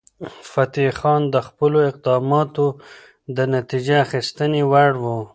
فتح خان د خپلو اقداماتو د نتیجه اخیستنې وړ و.